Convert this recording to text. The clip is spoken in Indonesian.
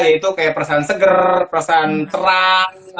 yaitu kayak perasaan seger perasaan terang